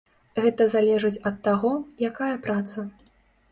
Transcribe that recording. Гэта залежыць ад таго, якая праца.